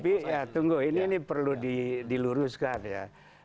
tapi ya tunggu ini perlu diluruskan ya